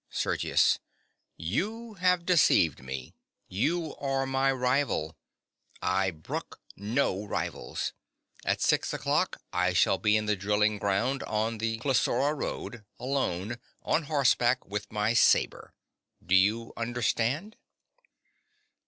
SERGIUS. You have deceived me. You are my rival. I brook no rivals. At six o'clock I shall be in the drilling ground on the Klissoura road, alone, on horseback, with my sabre. Do you understand?